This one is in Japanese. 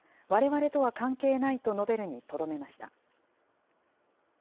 われわれとは関係ないと述べるにとどめました。